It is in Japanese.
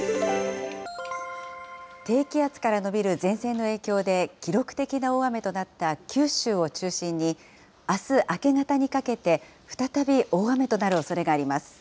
低気圧から延びる前線の影響で、記録的な大雨となった九州を中心に、あす明け方にかけて再び大雨となるおそれがあります。